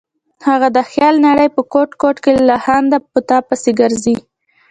هغه د خیال د نړۍ په ګوټ ګوټ کې لالهانده په تا پسې ګرځي.